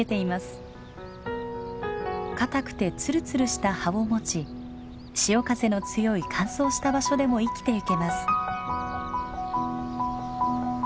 かたくてツルツルした葉を持ち潮風の強い乾燥した場所でも生きていけます。